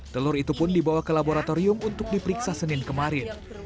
telur itu pun dibawa ke laboratorium untuk diperiksa senin kemarin